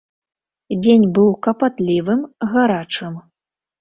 Дзень быў капатлівым, гарачым.